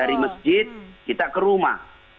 dari masjid kita ke rumah